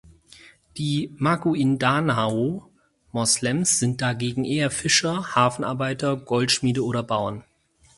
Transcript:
Die Maguindanao-Moslems sind dagegen eher Fischer, Hafenarbeiter, Goldschmiede oder Bauern.